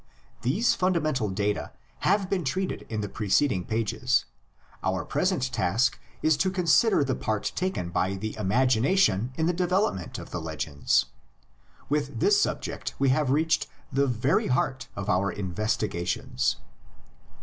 These fundamental data have been treated in the preceding pages; our pres ent task is to consider the part taken by the imagin ation in the development of the legends. With this subject we have reached the very heart of our investigations.